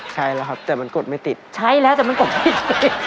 ใช่แล้วครับแต่มันกดไม่ติดใช้แล้วแต่มันกดไม่ใช้